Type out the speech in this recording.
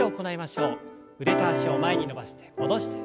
腕と脚を前に伸ばして戻して。